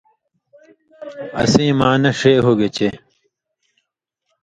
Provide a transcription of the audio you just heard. اسیں معنہ ݜے ہُوگے چے